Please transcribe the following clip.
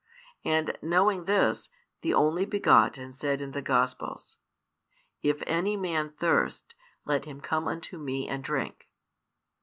And knowing this, the Only begotten said in the Gospels: If any man thirst, let him come unto Me and drink.